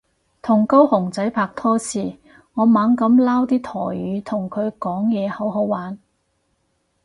同高雄仔拍拖時我猛噉撈啲台語同佢講嘢好好玩